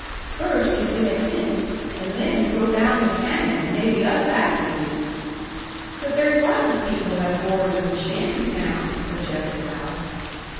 "First you'd get a hint, and then you'd go down the canyon, and maybe us after ye." "But there's lots of people have boarders in shanty town," objected Hal.